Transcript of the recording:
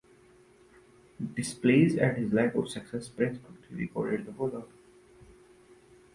Displeased at his lack of success, Prince quickly recorded the follow-up.